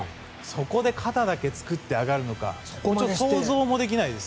そこで肩だけ作って上がるのか想像もできないです。